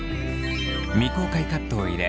未公開カットを入れ